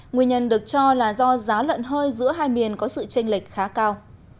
nguyên nhân được cho là do giá lợn hơi giữa hai miền có sự tranh lệch khá cao